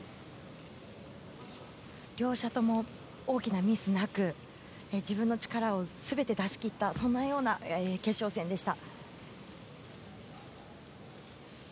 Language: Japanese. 両者とも大きなミスなく自分の力を全て出し切ったそんなような決勝戦でした。